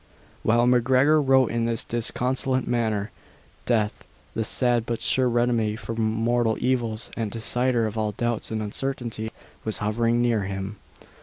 While MacGregor wrote in this disconsolate manner, Death, the sad but sure remedy for mortal evils, and decider of all doubts and uncertainties, was hovering near him.